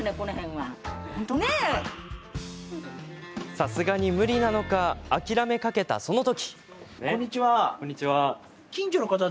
さすがに無理なのか諦めかけた、その時。